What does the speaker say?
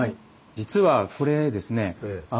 実はこれですねはぁ。